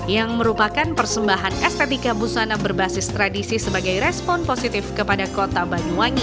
yang merupakan persembahan estetika busana berbasis tradisi sebagai respon positif kepada kota banyuwangi